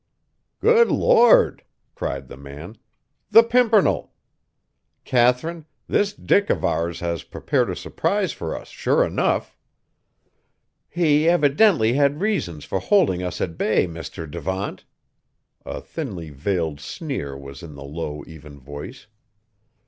"Good Lord!" cried the man. "The Pimpernel! Katharine, this Dick of ours has prepared a surprise for us sure enough!" "He evidently had reasons for holding us at bay, Mr. Devant." A thinly veiled sneer was in the low, even voice.